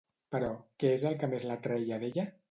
Però què és el que més l'atreia d'ella?